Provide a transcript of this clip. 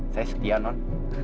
saya setia non